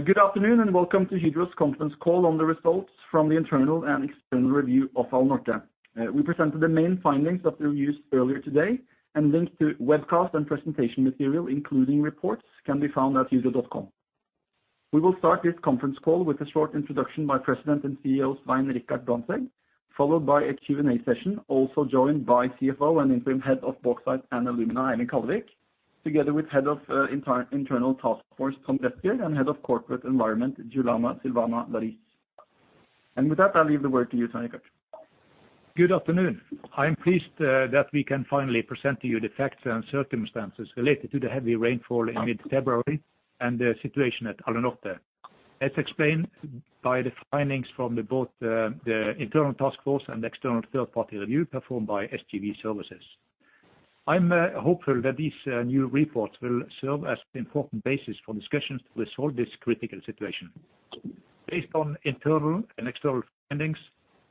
Good afternoon, and welcome to Hydro's conference call on the results from the internal and external review of Alunorte. We presented the main findings of the reviews earlier today, and links to webcast and presentation material, including reports, can be found at hydro.com. We will start this conference call with a short introduction by President and CEO Svein Richard Brandtzæg, followed by a Q&A session, also joined by CFO and Interim Head of Bauxite and Alumina, Einar Kallevik, together with Head of Internal Task Force, Tom Westby, and Head of Corporate Environment, Julama Silvana Daris. With that, I'll leave the word to you, Svein Richard. Good afternoon. I'm pleased that we can finally present to you the facts and circumstances related to the heavy rainfall in mid-February and the situation at Alunorte, as explained by the findings from the both, the internal task force and external third-party review performed by SGW Services. I'm hopeful that these new reports will serve as important basis for discussions to resolve this critical situation. Based on internal and external findings,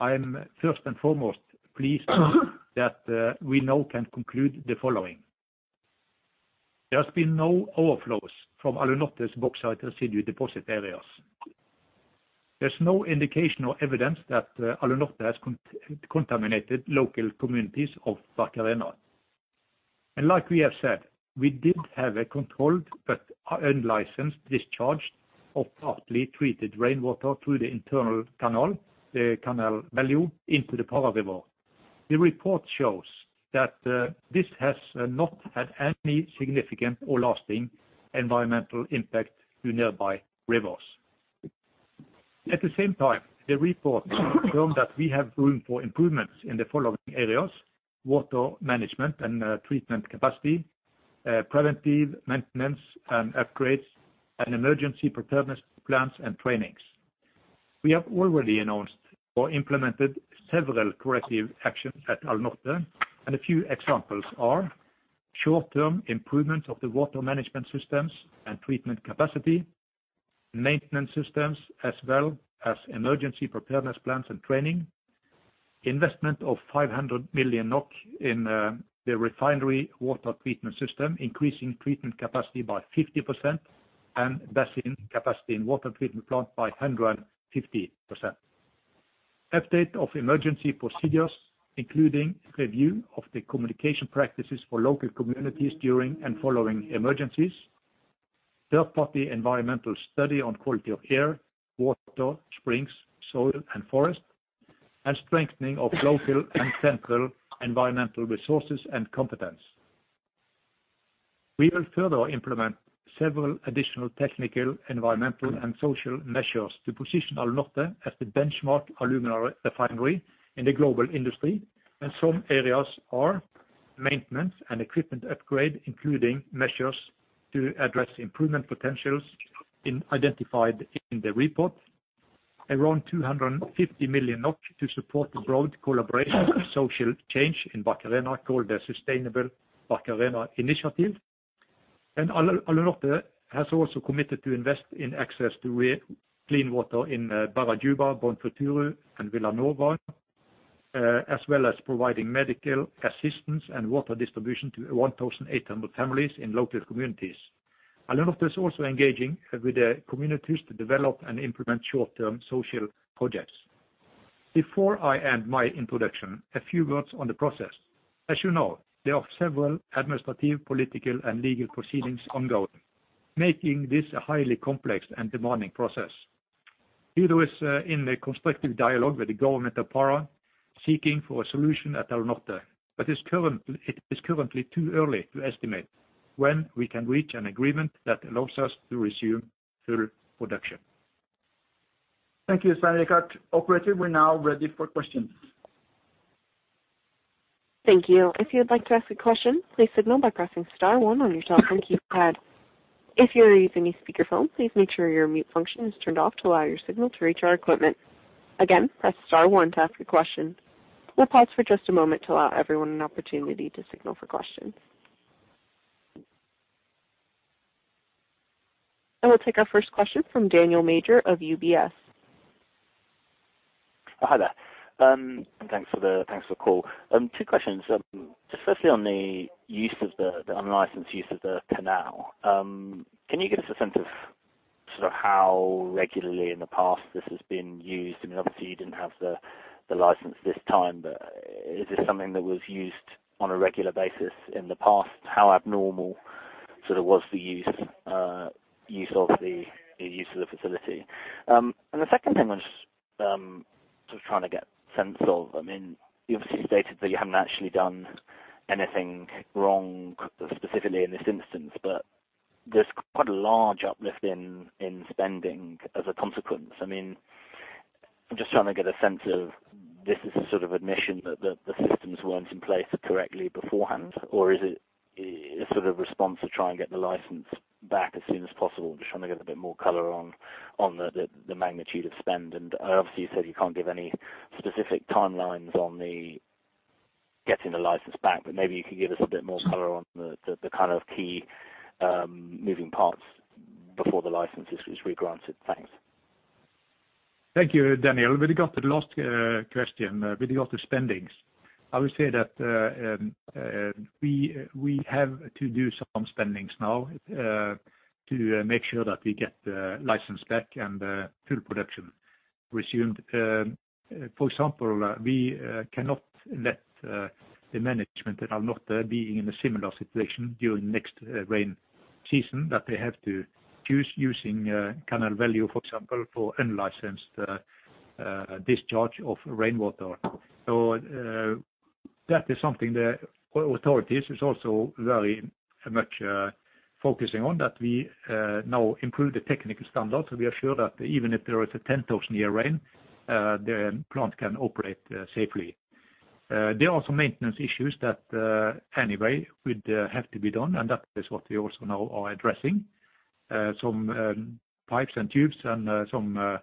I am first and foremost pleased that we now can conclude the following. There's been no overflows from Alunorte's bauxite residue deposit areas. There's no indication or evidence that Alunorte has contaminated local communities of Barcarena. Like we have said, we did have a controlled but unlicensed discharge of partly treated rainwater through the internal canal, the Canal Velho into the Pará River. The report shows that this has not had any significant or lasting environmental impact to nearby rivers. The report show that we have room for improvements in the following areas: water management and treatment capacity, preventive maintenance and upgrades, and emergency preparedness plans and trainings. We have already announced or implemented several corrective actions at Alunorte, a few examples are short-term improvement of the water management systems and treatment capacity, maintenance systems, as well as emergency preparedness plans and training, investment of 500 million NOK in the refinery water treatment system, increasing treatment capacity by 50%, and basin capacity in water treatment plant by 150%. Update of emergency procedures, including review of the communication practices for local communities during and following emergencies. Third-party environmental study on quality of air, water, springs, soil, and forest, and strengthening of local and central environmental resources and competence. We will further implement several additional technical, environmental, and social measures to position Alunorte as the benchmark alumina refinery in the global industry, and some areas are maintenance and equipment upgrade, including measures to address improvement potentials identified in the report. Around 250 million to support the broad collaboration of social change in Barcarena, called the Sustainable Barcarena Initiative. Alunorte has also committed to invest in access to clean water in Burajuba, Bom Futuro, and Vila Nova, as well as providing medical assistance and water distribution to 1,800 families in local communities. Alunorte is also engaging with the communities to develop and implement short-term social projects. Before I end my introduction, a few words on the process. As you know, there are several administrative, political, and legal proceedings ongoing, making this a highly complex and demanding process. Hydro is in a constructive dialogue with the government of Pará, seeking for a solution at Alunorte, but it is currently too early to estimate when we can reach an agreement that allows us to resume full production. Thank you, Svein Richard. Operator, we're now ready for questions. Thank you. If you'd like to ask a question, please signal by pressing star one on your telephone keypad. If you are using a speaker phone, please make sure your mute function is turned off to allow your signal to reach our equipment. Again, press star one to ask a question. We'll pause for just a moment to allow everyone an opportunity to signal for questions. We'll take our first question from Daniel Major of UBS. Oh, hi there. Thanks for the call. Two questions. Just firstly on the unlicensed use of the canal. Can you give us a sense of sort of how regularly in the past this has been used? I mean, obviously, you didn't have the license this time, but is this something that was used on a regular basis in the past? How abnormal sort of was the use of the facility? The second thing I was sort of trying to get sense of, I mean, you obviously stated that you haven't actually done anything wrong specifically in this instance, but there's quite a large uplift in spending as a consequence. I mean, I'm just trying to get a sense of this is a sort of admission that the systems weren't in place correctly beforehand, or is it a sort of response to try and get the license back as soon as possible? I'm just trying to get a bit more color on the magnitude of spend. Obviously, you said you can't give any specific timelines on the getting the license back, but maybe you could give us a bit more color on the kind of key moving parts before the license is, was re-granted. Thanks. Thank you, Daniel. With regard to the last question with regard to spendings, I would say that we have to do some spendings now to make sure that we get the license back and full production resumed. For example, we cannot let the management that are not being in a similar situation during next rain season that they have to using Canal Velho, for example, for unlicensed discharge of rainwater. That is something the authorities is also very much focusing on that we now improve the technical standards. We are sure that even if there is a 10,000 year rain, the plant can operate safely. There are some maintenance issues that anyway would have to be done, and that is what we also now are addressing. Some pipes and tubes and some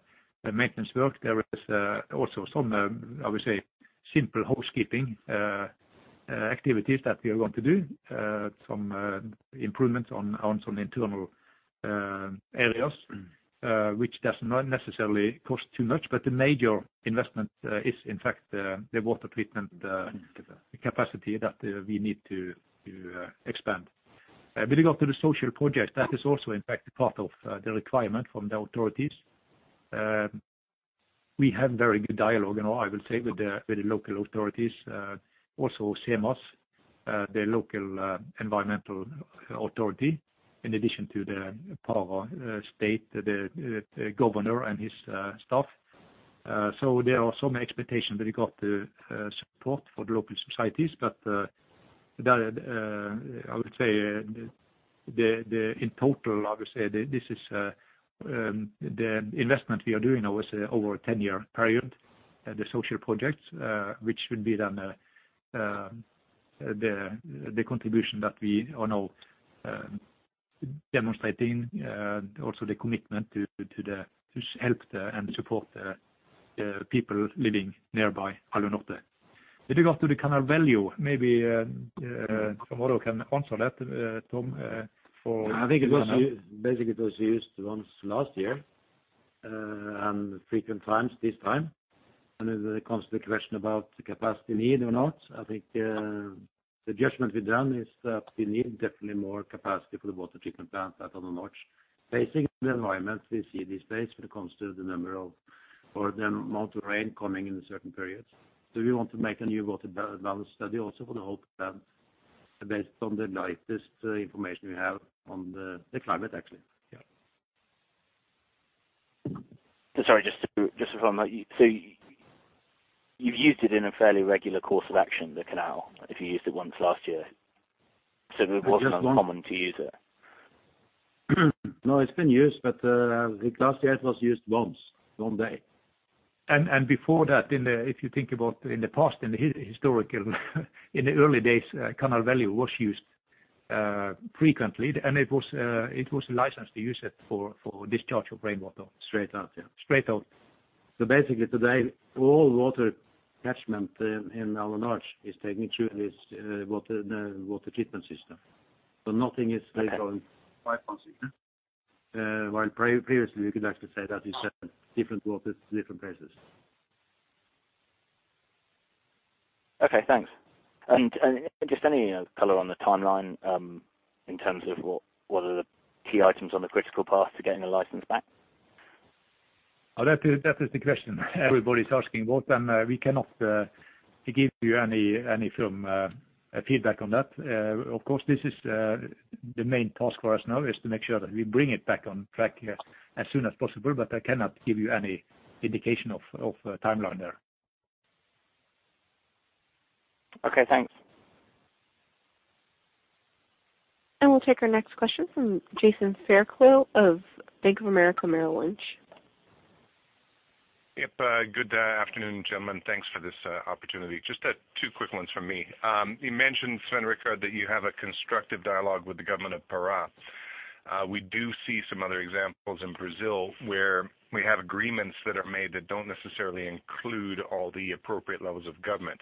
maintenance work. There is also some, I would say simple housekeeping activities that we are going to do, some improvements on some internal areas, which does not necessarily cost too much, but the major investment is in fact the water treatment capacity that we need to expand. With regard to the social project, that is also in fact part of the requirement from the authorities. We have very good dialogue now I will say with the local authorities, also SEMAS, the local environmental authority, in addition to the Pará state, the governor, and his staff. There are some expectations with regard to support for the local societies. That, I would say the in total, I would say this is the investment we are doing, I would say, over a 10-year period, the social projects, which would be then the contribution that we are now demonstrating, also the commitment to just help the, and support the people living nearby Alunorte. With regard to the Canal Velho, maybe, tomorrow can answer that, Tom. I think it was basically it was used once last year, and frequent times this time. When it comes to the question about the capacity need or not, I think the judgment we've done is that we need definitely more capacity for the water treatment plant at Alunorte. Basically, the environment we see these days when it comes to the number of or the amount of rain coming in certain periods. We want to make a new water balance study also for the whole plant based on the latest information we have on the climate actually. Yeah. sorry, just to follow up. You've used it in a fairly regular course of action, the canal, if you used it once last year? It wasn't uncommon to use it. No, it's been used, but, last year it was used once, one day. Before that, if you think about in the past, historically, in the early days, Canal Velho was used frequently, and it was licensed to use it for discharge of rainwater. Straight out, yeah. Straight out. Basically today, all water catchment in Alunorte is taken through this water treatment system. Nothing is going. While previously we could actually say that it's different waters, different places. Okay, thanks. Just any color on the timeline, in terms of what are the key items on the critical path to getting the license back? That is the question everybody's asking about. We cannot give you any firm feedback on that. Of course, this is the main task for us now is to make sure that we bring it back on track here as soon as possible. I cannot give you any indication of a timeline there. Okay, thanks. We'll take our next question from Jason Fairclough of Bank of America Merrill Lynch. Good afternoon, gentlemen. Thanks for this opportunity. Just two quick ones from me. You mentioned, Sven Rikard, that you have a constructive dialogue with the government of Pará. We do see some other examples in Brazil, where we have agreements that are made that don't necessarily include all the appropriate levels of government.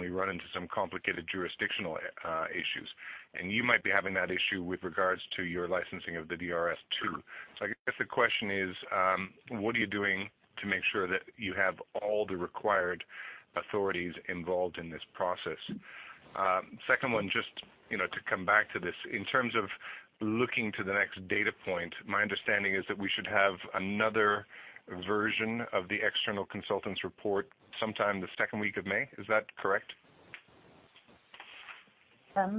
We run into some complicated jurisdictional issues. You might be having that issue with regards to your licensing of the DRS-2. I guess the question is, what are you doing to make sure that you have all the required authorities involved in this process? Second one, just, you know, to come back to this. In terms of looking to the next data point, my understanding is that we should have another version of the external consultants report sometime the 2nd week of May. Is that correct?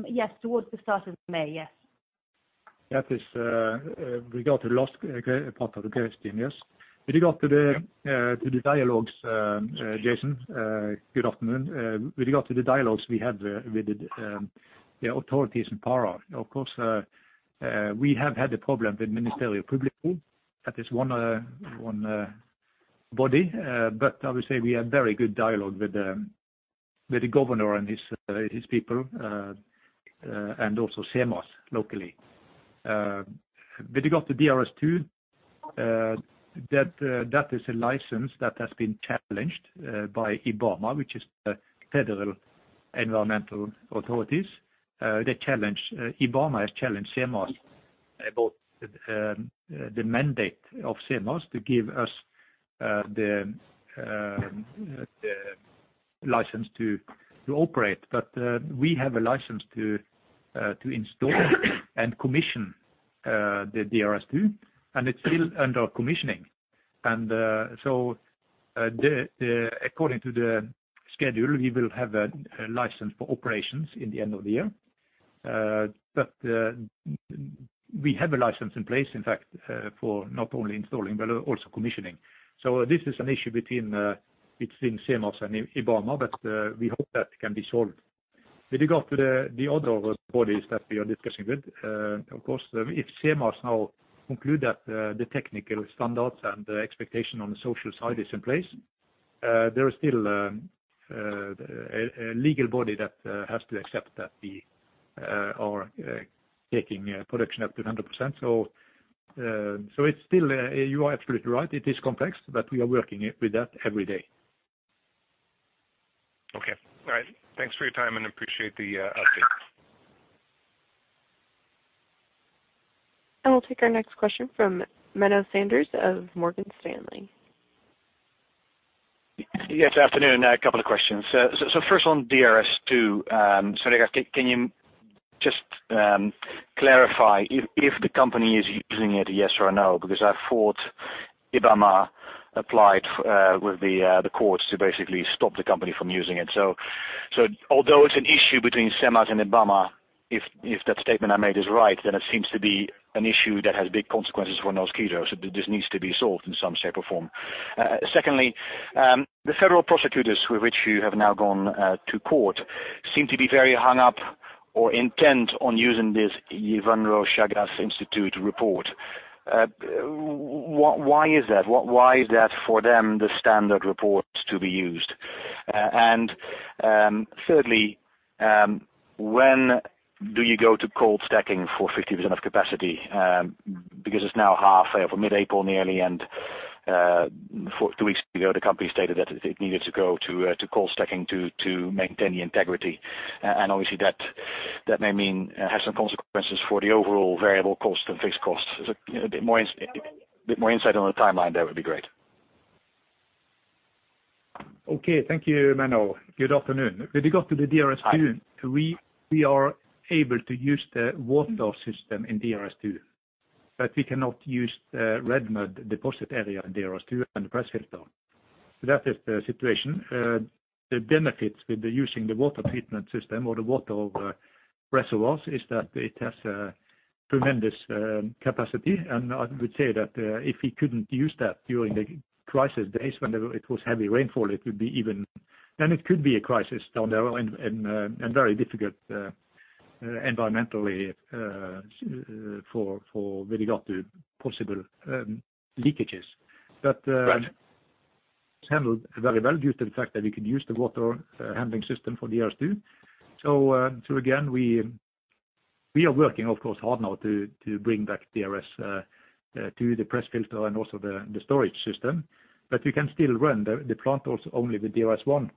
Yes, towards the start of May. Yes. That is, regard to the last part of the question. Yes. With regard to the dialogues, Jason, good afternoon. With regard to the dialogues we have with the authorities in Pará, of course, we have had a problem with Ministério Público. That is one body. I would say we have very good dialogue with the governor and his people, and also SEMAS locally. With regard to DRS-2, that is a license that has been challenged by IBAMA, which is the federal environmental authorities. IBAMA has challenged SEMAS about the mandate of SEMAS to give us the license to operate. We have a license to install and commission the DRS2, and it's still under commissioning. According to the schedule, we will have a license for operations in the end of the year. We have a license in place, in fact, for not only installing, but also commissioning. This is an issue between SEMAS and IBAMA, we hope that can be solved. With regard to the other bodies that we are discussing with, of course, if SEMAS now conclude that the technical standards and the expectation on the social side is in place, there is still a legal body that has to accept that we are taking production up to 100%. It's still, you are absolutely right. It is complex, but we are working it with that every day. Okay. All right. Thanks for your time and appreciate the update. We'll take our next question from Menno Sanderse of Morgan Stanley. Yes, afternoon. A couple of questions. First on DRS2, Svein Richard, can you just clarify if the company is using it, yes or no? Because I thought IBAMA applied with the courts to basically stop the company from using it. Although it's an issue between SEMAS and IBAMA, if that statement I made is right, then it seems to be an issue that has big consequences for Norsk Hydro. This needs to be solved in some shape or form. Secondly, the federal prosecutors with which you have now gone to court seem to be very hung up or intent on using this Evandro Chagas Institute report. Why is that? Why is that for them the standard reports to be used? Thirdly, when do you go to cold stacking for 50% of capacity? Because it's now half way over mid-April nearly, and two weeks ago, the company stated that it needed to go to cold stacking to maintain the integrity. Obviously that may mean have some consequences for the overall variable cost and fixed costs. Is it a bit more insight on the timeline there would be great? Okay. Thank you, Menno. Good afternoon. Hi. With regard to the DRS2, we are able to use the water system in DRS2, but we cannot use the red mud deposit area in DRS2 and the press filter. That is the situation. The benefits with the using the water treatment system or the water reservoirs is that it has a tremendous capacity. I would say that if we couldn't use that during the crisis days whenever it was heavy rainfall, then it could be a crisis down there and very difficult environmentally for with regard to possible leakages. Right. It's handled very well due to the fact that we can use the water handling system for DRS2. Again, we are working, of course, hard now to bring back DRS to the press filter and also the storage system. We can still run the plant also only with DRS1.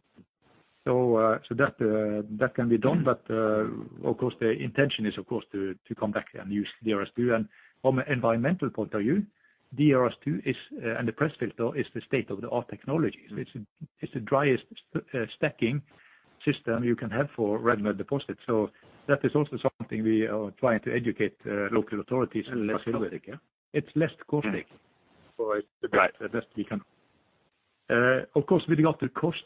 That can be done. Of course, the intention is, of course, to come back and use DRS2. From an environmental point of view, DRS2 is and the press filter is the state-of-the-art technology. It's the driest stacking system you can have for red mud deposits. That is also something we are trying to educate local authorities. It's less costly. Right. It's the best we can. Of course, with regard to cost,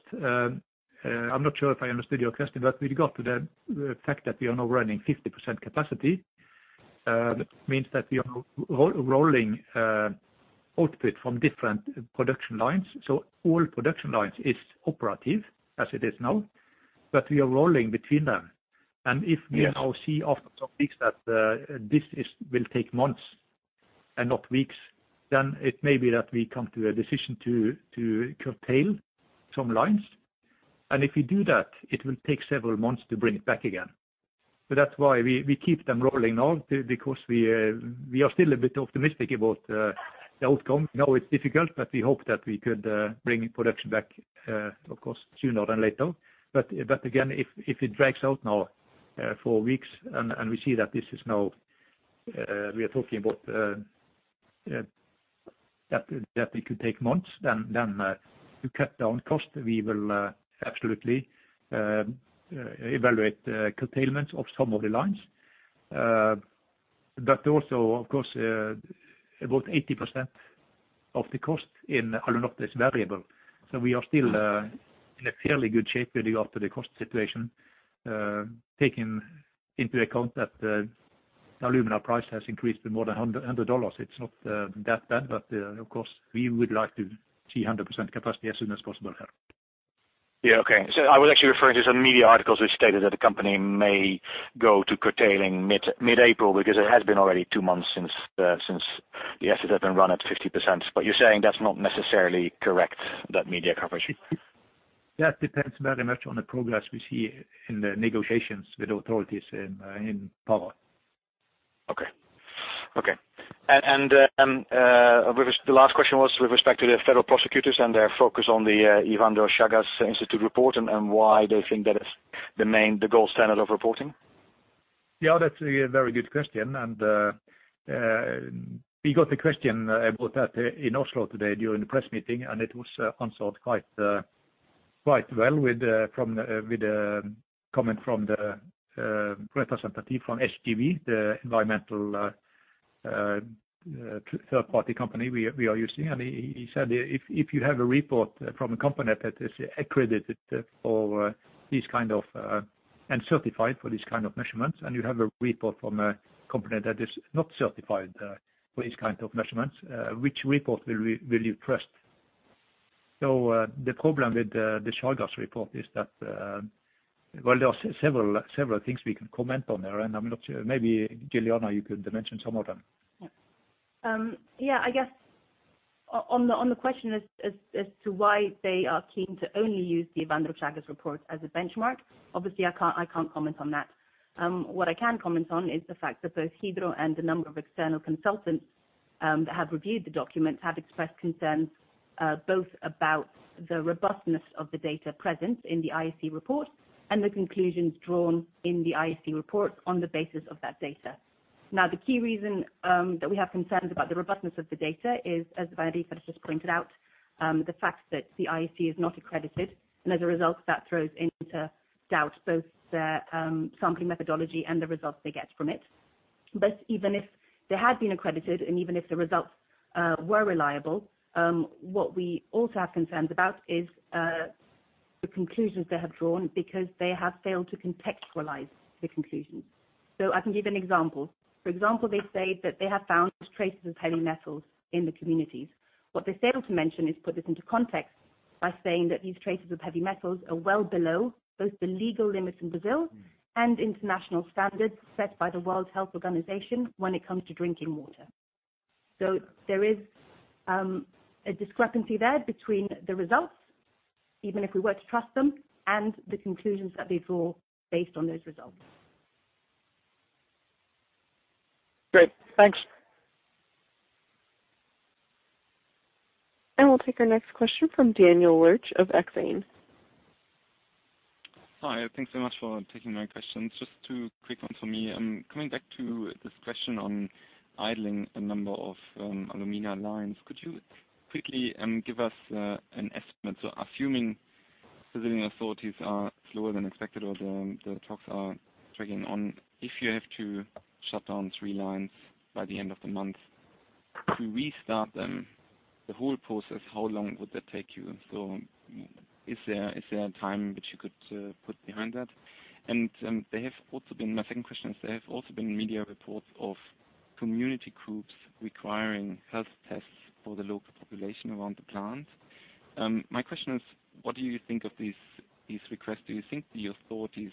I'm not sure if I understood your question, but with regard to the fact that we are now running 50% capacity, means that we are rolling output from different production lines. All production lines is operative as it is now, but we are rolling between them. Yes. If we now see after some weeks that, will take months and not weeks, then it may be that we come to a decision to curtail some lines. If we do that, it will take several months to bring it back again. That's why we keep them rolling now because we are still a bit optimistic about the outcome. Now it's difficult, but we hope that we could bring production back, of course, sooner than later. Again, if it drags out now for weeks, and we see that this is now, we are talking about that it could take months, then to cut down cost, we will absolutely evaluate curtailment of some of the lines. Also, of course, about 80% of the cost in Alunorte is variable. We are still in a fairly good shape with regard to the cost situation, taking into account that the alumina price has increased by more than $100. It's not that bad, but of course, we would like to see 100% capacity as soon as possible here. Yeah. Okay. I was actually referring to some media articles which stated that the company may go to curtailing mid-April because it has been already 2 months since the assets have been run at 50%. You're saying that's not necessarily correct, that media coverage? That depends very much on the progress we see in the negotiations with authorities in Pará. Okay. Okay. The last question was with respect to the federal prosecutors and their focus on the Evandro Chagas Institute report and why they think that is the main, the gold standard of reporting. Yeah, that's a very good question. We got the question about that in Oslo today during the press meeting, and it was answered quite well with a comment from the representative from SGW, the environmental third party company we are using. He said if you have a report from a company that is accredited for this kind of and certified for this kind of measurements, and you have a report from a company that is not certified for this kind of measurements, which report will you trust? The problem with the Chagas report is that, well, there are several things we can comment on there, and I'm not sure maybe Giuliana you could mention some of them. Yeah. Yeah, I guess on the, on the question as to why they are keen to only use the Evandro Chagas report as a benchmark, obviously I can't, I can't comment on that. What I can comment on is the fact that both Hydro and the number of external consultants that have reviewed the document have expressed concerns both about the robustness of the data present in the IEC report and the conclusions drawn in the IEC report on the basis of that data. Now, the key reason that we have concerns about the robustness of the data is, as just pointed out, the fact that the IEC is not accredited, and as a result, that throws into doubt both the sampling methodology and the results they get from it. Even if they had been accredited, and even if the results were reliable, what we also have concerns about is the conclusions they have drawn because they have failed to contextualize the conclusions. I can give an example. For example, they say that they have found traces of heavy metals in the communities. What they failed to mention is put this into context by saying that these traces of heavy metals are well below both the legal limits in Brazil and international standards set by the World Health Organization when it comes to drinking water. There is a discrepancy there between the results, even if we were to trust them, and the conclusions that they draw based on those results. Great. Thanks. We'll take our next question from Daniel Lurch of Exane. Hi. Thanks so much for taking my questions. Just two quick ones for me. Coming back to this question on idling a number of alumina lines, could you quickly give us an estimate? Assuming Brazilian authorities are slower than expected or the talks are dragging on, if you have to shut down 3 lines by the end of the month, to restart them, the whole process, how long would that take you? Is there a time which you could put behind that? My second question is, there have also been media reports of community groups requiring health tests for the local population around the plant. My question is: What do you think of these requests? Do you think the authorities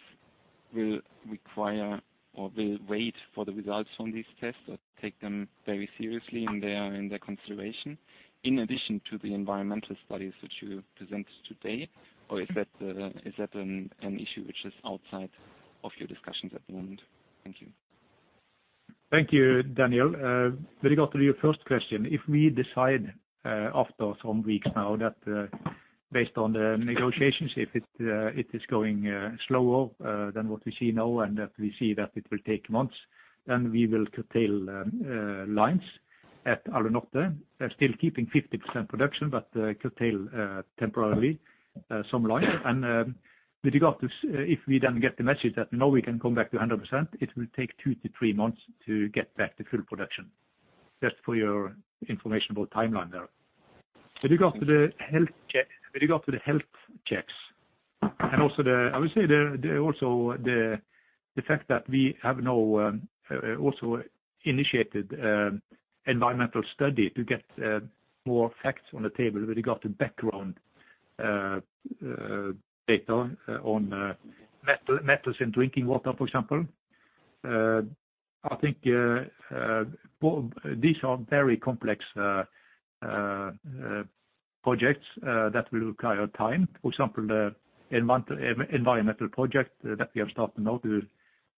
will require or will wait for the results from these tests or take them very seriously in their, in their consideration in addition to the environmental studies which you presented today? Is that, is that an issue which is outside of your discussions at the moment? Thank you. Thank you, Daniel. With regard to your first question, if we decide, after some weeks now that, based on the negotiations, if it is going slower than what we see now and that we see that it will take months, then we will curtail lines at Alunorte. They're still keeping 50% production but, curtail temporarily some lines. With regard to if we then get the message that now we can come back to 100%, it will take 2-3 months to get back to full production. Just for your information about timeline there. With regard to the health checks, and also the I would say the also the fact that we have now also initiated environmental study to get more facts on the table with regard to background data on metals in drinking water, for example. I think, well, these are very complex projects that will require time. For example, the environmental project that we have started now to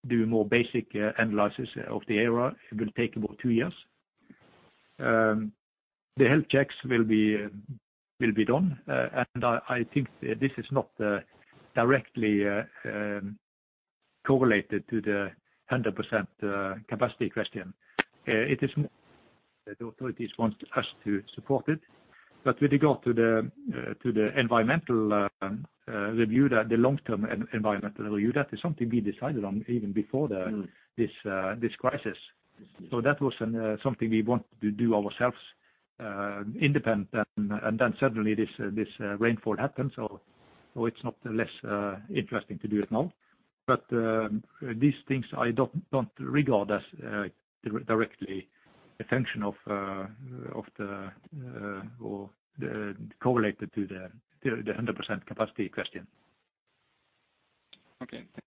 do more basic analysis of the area, it will take about 2 years. The health checks will be done. I think this is not directly correlated to the 100% capacity question. It is more the authorities want us to support it. With regard to the environmental review, the long-term environmental review, that is something we decided on even before. Mm. This crisis. That was an something we want to do ourselves, independent. Then suddenly this rainfall happened. It's not less interesting to do it now. These things I don't regard as directly a function of the or correlated to the 100% capacity question. Okay. Thank you.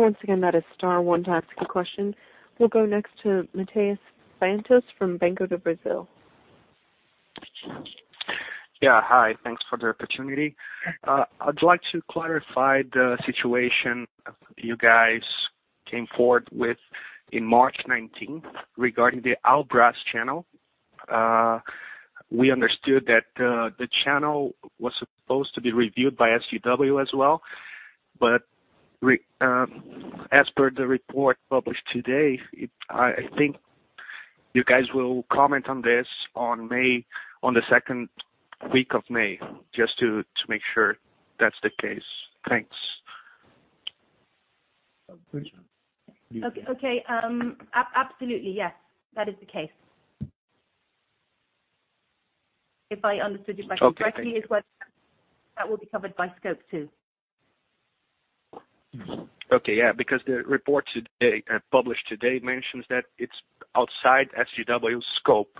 once again, that is star one to ask a question. We'll go next to Matheus Santos from Banco do Brasil. Yeah. Hi. Thanks for the opportunity. I'd like to clarify the situation you guys came forward with in March 19th regarding the Albras channel. We understood that, the channel was supposed to be reviewed by SGW as well, but as per the report published today, it. I think you guys will comment on this on May, on the second week of May, just to make sure that's the case. Thanks. Okay. absolutely, yes. That is the case. If I understood your question correctly- Okay. is whether that will be covered by scope two. Okay. Yeah, because the report today, published today mentions that it's outside SGW scope,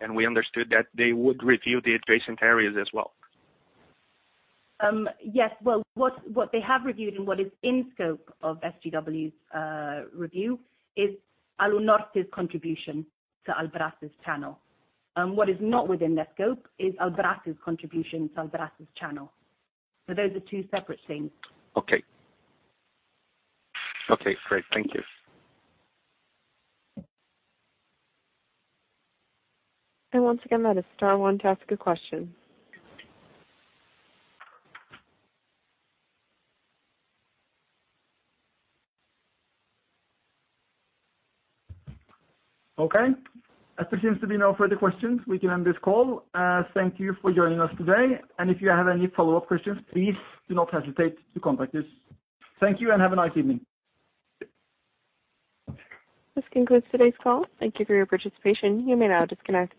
and we understood that they would review the adjacent areas as well. Yes. Well, what they have reviewed and what is in scope of SGW review is Alunorte's contribution to Albras channel. What is not within their scope is Albras contribution to Albras channel. Those are two separate things. Okay. Okay, great. Thank you. Once again, that is star one to ask a question. Okay. As there seems to be no further questions, we can end this call. Thank you for joining us today. If you have any follow-up questions, please do not hesitate to contact us. Thank you, and have a nice evening. This concludes today's call. Thank you for your participation. You may now disconnect.